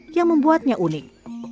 yang membuatnya unik